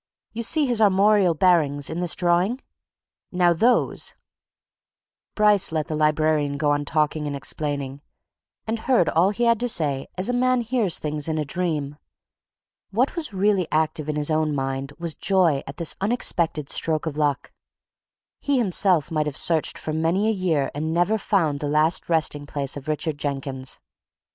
You see his armorial bearings in this drawing? Now those " Bryce let the librarian go on talking and explaining, and heard all he had to say as a man hears things in a dream what was really active in his own mind was joy at this unexpected stroke of luck: he himself might have searched for many a year and never found the last resting place of Richard Jenkins.